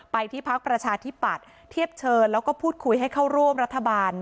ที่พักประชาธิปัตย์เทียบเชิญแล้วก็พูดคุยให้เข้าร่วมรัฐบาล